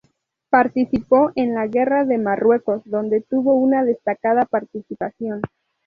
Participó en la Guerra de Marruecos, donde tuvo una destacada participación.